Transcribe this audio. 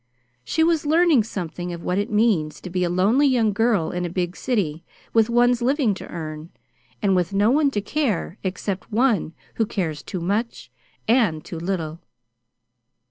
She was learning something of what it means to be a lonely young girl in a big city, with one's living to earn, and with no one to care except one who cares too much, and too little.